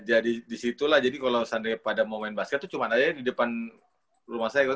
jadi disitulah jadi kalau sandri pada mau main basket tuh cuma aja di depan rumah saya